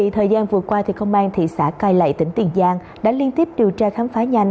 thời gian vừa qua công an thị xã cai lậy tỉnh tiền giang đã liên tiếp điều tra khám phá nhanh